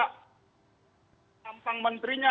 ketimbang tampang menterinya